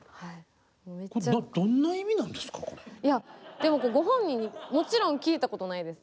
でもご本人にもちろん聞いたことないです。